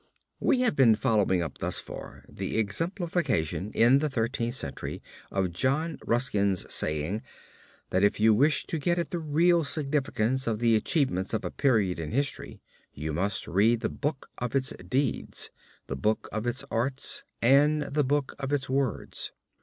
We have been following up thus far the exemplification in the Thirteenth Century of John Ruskin's saying, that if you wish to get at the real significance of the achievements of a period in history, you must read the book of its deeds, the book of its arts and the book of its words.